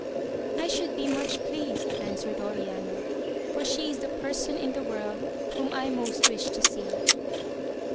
I should be much pleased, answered Oriana, for she is the person in the world whom I most wish to see.